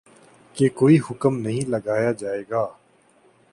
کہ کوئی حکم نہیں لگایا جائے گا